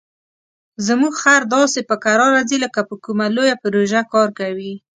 زموږ خر داسې په کراره ځي لکه په کومه لویه پروژه کار کوي.